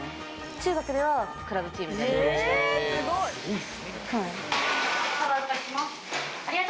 中学ではクラブチームで。